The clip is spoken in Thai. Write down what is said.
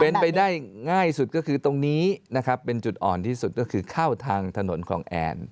เป็นไปได้ง่ายสุดก็คือตรงนี้นะครับเป็นจุดอ่อนที่สุดก็คือเข้าทางถนนคลองแอน